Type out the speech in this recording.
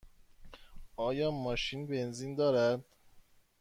آیا ماشین بنزین دارد؟